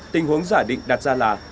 tình huống giả định đặt ra là